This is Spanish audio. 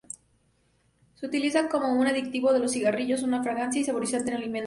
Se utiliza como un aditivo de los cigarrillos, una fragancia, y saborizante en alimentos.